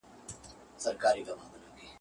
پر ښاخلو د ارغوان به، ګلان وي، او زه به نه یم.